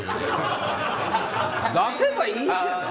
出せばいいじゃない。